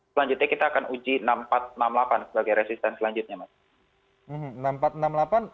selanjutnya kita akan uji enam ribu empat ratus enam puluh delapan sebagai resisten selanjutnya mas